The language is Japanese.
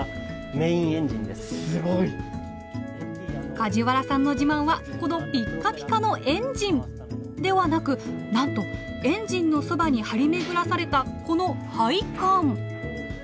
梶原さんの自慢はこのピッカピカのエンジン！ではなくなんとエンジンのそばに張り巡らされたこの配管！